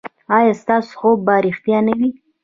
ایا ستاسو خوب به ریښتیا نه وي؟